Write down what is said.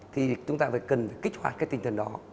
thì chúng ta cần kích hoạt cái tinh thần đó